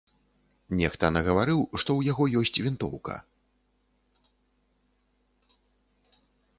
Нехта нагаварыў, што ў яго ёсць вінтоўка.